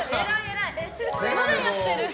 まだやってる！